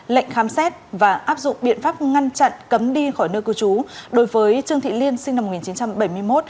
lệnh khám xét và áp dụng biện pháp ngăn chặn cấm đi khỏi nơi cư trú đối với trương thị liên sinh năm một nghìn chín trăm bảy mươi một